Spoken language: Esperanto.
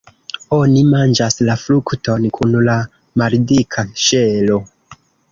Oni manĝas la frukton kun la maldika ŝelo.